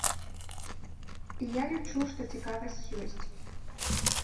І я лічу, што цікавасць ёсць.